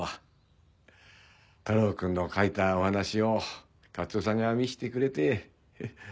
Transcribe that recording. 太郎くんの書いたお話を勝夫さんが見してくれて。